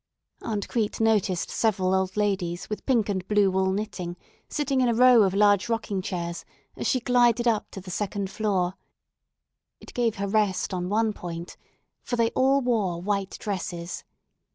Aunt Crete noticed several old ladies with pink and blue wool knitting, sitting in a row of large rocking chairs, as she glided up to the second floor. It gave her rest on one point, for they all wore white dresses.